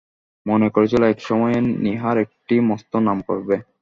মনে করেছিল এক সময়ে নীহার একটা মস্ত নাম করবে।